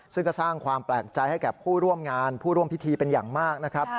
ซึ่งก็สร้างความแปลกใจให้แก่ผู้ร่วมงานผู้ร่วมพิธีเป็นอย่างมากนะครับ